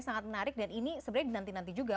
sangat menarik dan ini sebenarnya dinanti nanti juga